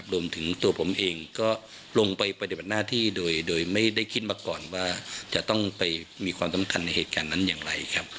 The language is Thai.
รวมถึงตัวผมเองก็ลงไปปฏิบัติหน้าที่โดยไม่ได้คิดมาก่อนว่าจะต้องไปมีความสำคัญในเหตุการณ์นั้นอย่างไรครับ